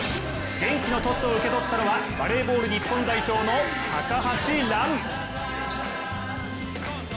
元気のトスを受け取ったのはバレーボール日本代表の高橋藍。